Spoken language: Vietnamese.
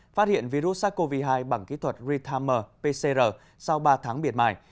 phát hiện virus sars cov hai bằng kỹ thuật ritam pcr sau ba tháng biệt mải